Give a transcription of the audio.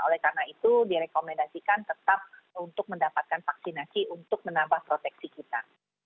oleh karena itu direkomendasikan tetap untuk mendapatkan vaksinasi untuk menambah proteksi kita